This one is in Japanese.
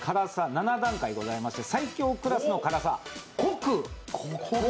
７段階ありまして、最強クラスの辛さ、虚空。